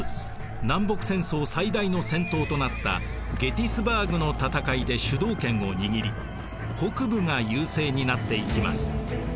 南北戦争最大の戦闘となったゲティスバーグの戦いで主導権を握り北部が優勢になっていきます。